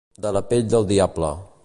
De la pell del diable.